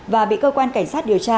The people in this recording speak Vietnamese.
và bị cơ quan cảnh sát điều tra